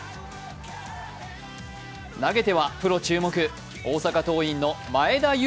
投げては、プロ注目大阪桐蔭の前田悠